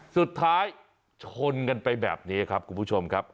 สุดท้ายชนกันไปแบบนี้ครับคุณผู้ชมครับ